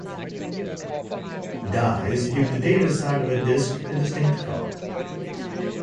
Dyes give the data side of a disc a distinct color.